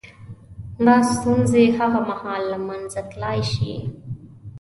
• دا ستونزې هغه مهال له منځه تلای شي.